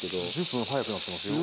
１０分早くなってますね。